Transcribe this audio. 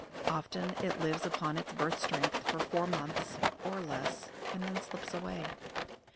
Often it lives upon its birth strength for four months, or less, and then slips away.